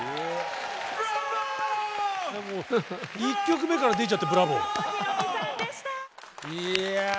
１曲目から出ちゃってブラボー！